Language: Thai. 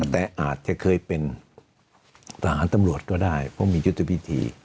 แต่อาจจะเคยเป็นทหารตำรวจก็ได้เพราะมียุทธวิธี